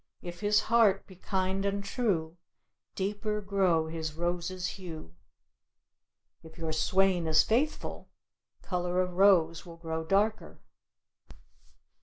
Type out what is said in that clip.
If his heart be kind and true, Deeper grow his rose's hue." If your swain is faithful, color of rose will grow darker.